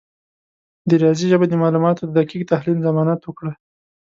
د ریاضي ژبه د معلوماتو د دقیق تحلیل ضمانت وکړه.